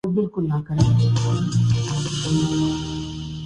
دوسروں کے ساتھ آسانی سے کام کر سکتا ہوں